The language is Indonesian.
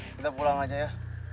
kita pulang aja ya